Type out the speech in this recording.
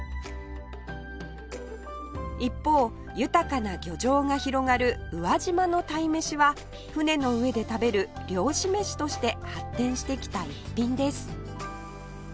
一方豊かな漁場が広がる宇和島の鯛めしは船の上で食べる漁師飯として発展してきた逸品です